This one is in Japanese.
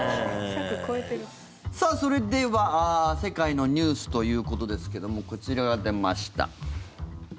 さあ、それでは世界のニュースということですけどもこちらが出ました。